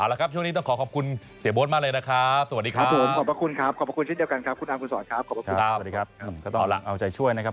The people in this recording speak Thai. เอาละครับช่วงนี้ต้องขอขอบคุณเสียบนมาเลยนะครับ